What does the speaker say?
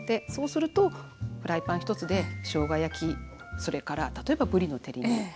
そうするとフライパン１つでしょうが焼きそれから例えばぶりの照り煮。